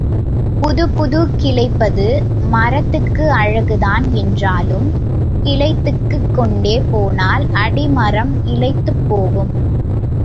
புதிது புதிது கிளைப்பது மரத்துக்கு அழகுதான் என்றாலும் கிளைத்துக் கொண்டே போனால் அடிமரம் இளைத்துப் போகும்.